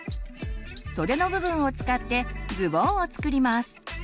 袖の部分を使ってズボンを作ります。